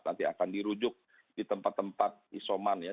nanti akan dirujuk di tempat tempat isoman ya